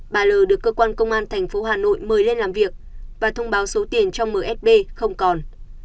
bà l được cơ quan công an tp hà nội mời lên làm việc và thông báo số tiền trong msb không còn